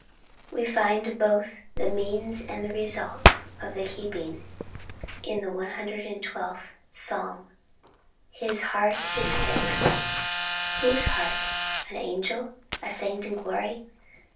We find both the means and the result of the keeping in the 112th Psalm: 'His heart is fixed.' Whose heart? An angel? A saint in glory?